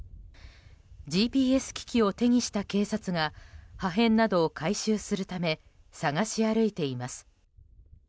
ＧＰＳ機器を手にした警察が破片などを回収するため探し歩いています。